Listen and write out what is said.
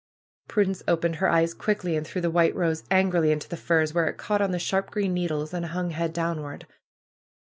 Prudence opened her eyes quickly, and threw the white rose angrily into the firs, where it caught on the sharp green needles and hung head downward.